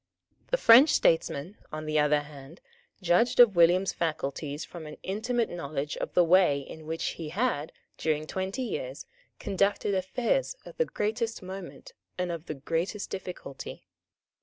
The French statesmen, on the other hand, judged of William's faculties from an intimate knowledge of the way in which he had, during twenty years, conducted affairs of the greatest moment and of the greatest difficulty.